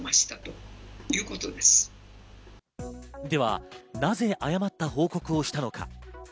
では、なぜ誤った報告をしたのか。